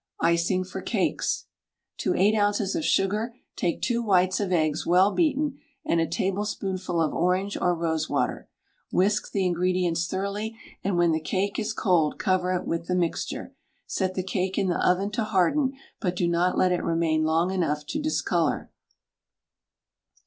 ICING FOR CAKES. To 8 oz. of sugar take 2 whites of eggs, well beaten, and 1 tablespoonful of orange or rosewater. Whisk the ingredients thoroughly, and when the cake is cold cover it with the mixture. Set the cake in the oven to harden, but do not let it remain long enough to discolour.